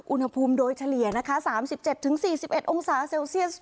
อุณหภูมิโดยเฉลี่ยนะคะสามสิบเจ็ดถึงสี่สิบเอ็ดองศาเซลเซียส